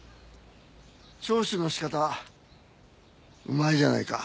聴取の仕方うまいじゃないか。